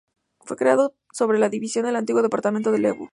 Fue creado sobre la división del antiguo Departamento de Lebu.